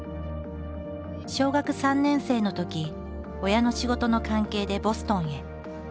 小学３年生のとき親の仕事の関係でボストンへ。